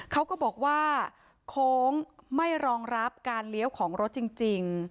เขาก็บอกว่าโค้งไม่รองรับการเลี้ยวของรถจริง